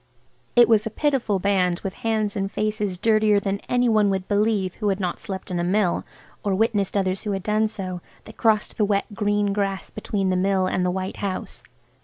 It was a pitiful band with hands and faces dirtier than any one would believe who had not slept in a mill or witnessed others who had done so, that crossed the wet, green grass between the Mill and the white house.